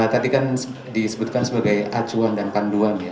tadi kan disebutkan sebagai acuan dan panduan ya